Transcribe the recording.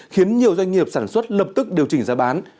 khiến nhiều doanh nghiệp sản xuất lập tức điều chỉnh giá bán